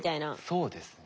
そうですね。